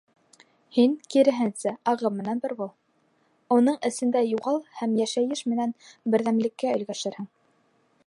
Һин, киреһенсә, ағым менән бер бул, уның эсендә юғал һәм йәшәйеш менән берҙәмлеккә өлгәшерһең.